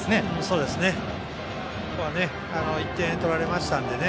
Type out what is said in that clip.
そうですね、ここは１点取られましたのでね。